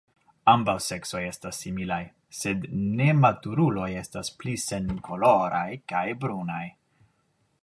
Ambaŭ seksoj estas similaj, sed nematuruloj estas pli senkoloraj kaj brunaj.